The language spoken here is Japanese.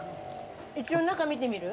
一応中見てみる？